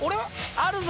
あるぞ。